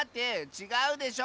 ちがうでしょ！